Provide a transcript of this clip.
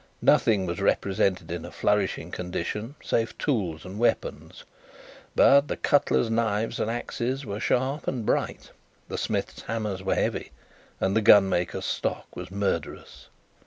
Nothing was represented in a flourishing condition, save tools and weapons; but, the cutler's knives and axes were sharp and bright, the smith's hammers were heavy, and the gunmaker's stock was murderous.